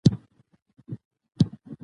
تکړه ملګري ولې پښتانه لیکوالان نه پیدا کوي؟